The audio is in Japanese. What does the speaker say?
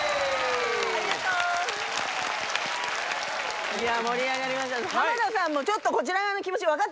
ありがとういや盛り上がりましたね